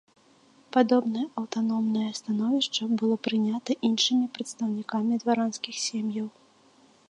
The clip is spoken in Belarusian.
Падобнае аўтаномнае становішча было прынята іншымі прадстаўнікамі дваранскіх сем'яў.